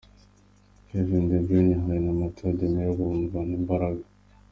Kevin De Bryne yahuye na Matteo Darmian bumvana imbaraga.